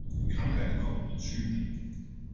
Die Krankheit kommt in Schüben.